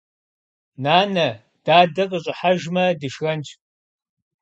Нанэ, дадэ къыщӀыхьэжмэ дышхэнщ.